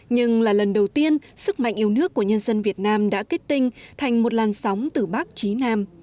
nhưng là lần đầu tiên sức mạnh yêu nước của nhân dân việt nam đã kết tinh thành một làn sóng từ bắc trí nam